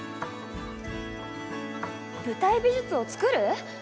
舞台美術を作る⁉